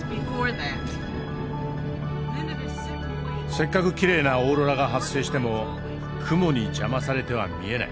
せっかくきれいなオーロラが発生しても雲に邪魔されては見えない。